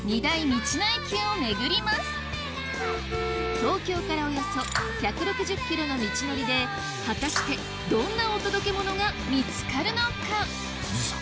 東京からおよそ１６０ｋｍの道のりで果たしてどんなお届けモノが見つかるのか？